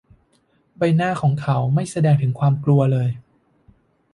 ใบหน้าของเขาไม่แสดงถึงความกลัวเลย